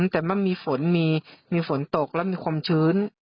แต่มันมีฝนมีฝนตกแล้วมีความชื้น